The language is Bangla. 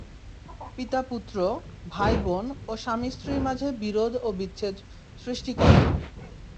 পিতা-পুত্র, ভাই-বোন ও স্বামী-স্ত্রীর মাঝে বিরোধ ও বিচ্ছেদ সষ্টি করে।